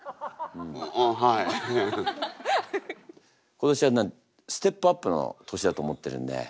今年はステップアップの年だと思ってるんで。